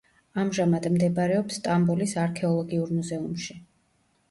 ამჟამად მდებარეობს სტამბოლის არქეოლოგიურ მუზეუმში.